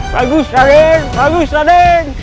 bagus raden bagus raden